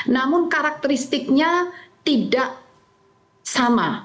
namun karakteristiknya tidak sama